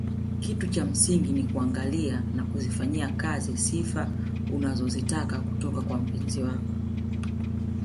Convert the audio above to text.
Kitu cha msingi ni kuangalia na kuzifanyia kazi sifa unazozitaka kutoka kwa mpenzi wako